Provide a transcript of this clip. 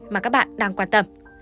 mà các bạn đang quan tâm